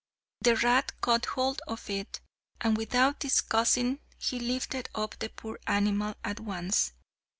The rat caught hold of it, and without discussing he lifted up the poor animal at once.